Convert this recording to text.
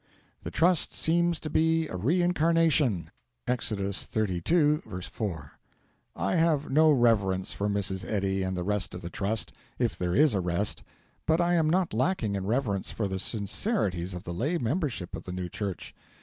The Trust seems to be a reincarnation. Exodus xxxii.4. I have no reverence for Mrs. Eddy and the rest of the Trust if there is a rest but I am not lacking in reverence for the sincerities of the lay membership of the new Church.